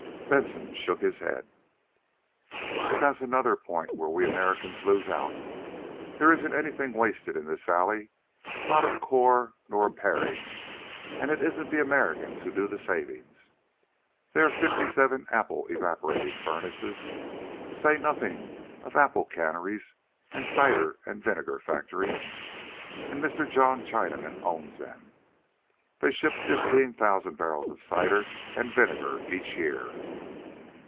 Benson shook his head. "But that's another point where we Americans lose out. There isn't anything wasted in this valley, not a core nor a paring; and it isn't the Americans who do the saving. There are fifty seven apple evaporating furnaces, to say nothing of the apple canneries and cider and vinegar factories. And Mr. John Chinaman owns them. They ship fifteen thousand barrels of cider and vinegar each year."